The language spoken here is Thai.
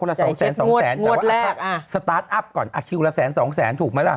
พิ้วกลับแสน๒แสนถูกไหมละ